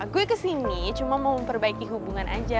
gue kesini cuma mau memperbaiki hubungan aja